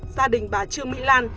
gia đình bà trương mỹ lan